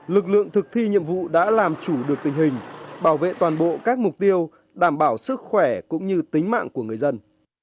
lực lượng thực thi nhiệm vụ đã làm chủ được tình hình bảo vệ toàn bộ các mục tiêu đảm bảo sức khỏe cũng như tính mạng của người dân